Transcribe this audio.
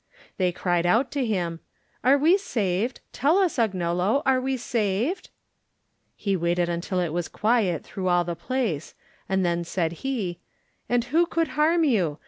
They cried out to him: "Are we saved? Tell us, Agnello, are we saved?" He waited until it was quiet through all the place, and then said he: "And who could harm you?